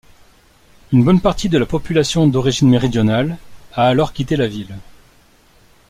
Une bonne partie de la population d'origine méridionale a alors quitté la ville.